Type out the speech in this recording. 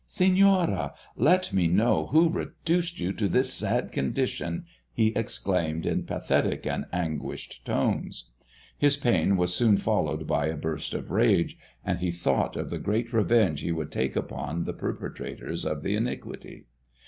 "Señora, let me know who reduced you to this sad condition!" he exclaimed in pathetic and anguished tones. His pain was soon followed by a burst of rage, and he thought of the great revenge he would take upon the perpetrators of the iniquity.